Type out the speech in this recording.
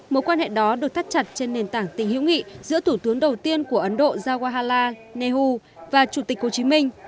mối quan hệ đó được thắt chặt trên nền tảng tình hữu nghị giữa thủ tướng đầu tiên của ấn độ jawala nehu và chủ tịch hồ chí minh